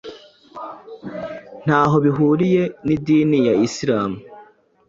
ntaho bihuriye n’idini ya islam